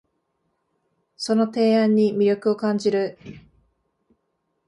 その提案に魅力を感じる